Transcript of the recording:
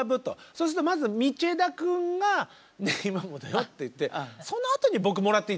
そうするとまず道枝くんが「ねぇ、今もだよ」って言ってそのあとに僕もらっていいですか？